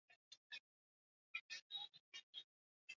Fitina ni mbaya kwa mutu